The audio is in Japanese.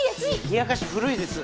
冷やかし古いです。